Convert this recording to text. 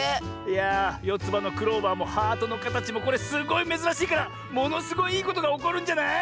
いやあよつばのクローバーもハートのかたちもこれすごいめずらしいからものすごいいいことがおこるんじゃない？